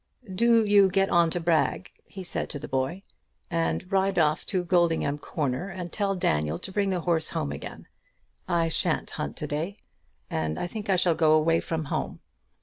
"Do you get on Brag," he said to the boy, "and ride off to Goldingham Corner, and tell Daniel to bring the horse home again. I shan't hunt to day. And I think I shall go away from home.